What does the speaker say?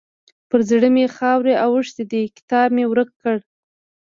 پر زړه مې خاورې اوښتې دي؛ کتاب مې ورک کړ.